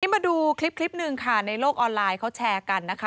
มาดูคลิปหนึ่งค่ะในโลกออนไลน์เขาแชร์กันนะคะ